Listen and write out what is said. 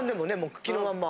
茎のまんま。